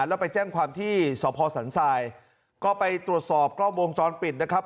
แล้วไปแจ้งความที่สพสันทรายก็ไปตรวจสอบกล้องวงจรปิดนะครับ